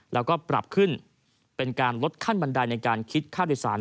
แล้วก็ปรับขึ้นเป็นการลดขั้นบันไดในการคิดค่าโดยสาร